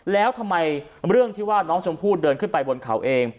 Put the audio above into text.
แล้วทำไมเรื่องที่ว่าน้องชมพู่เดินขึ้นไปบนเขาเอง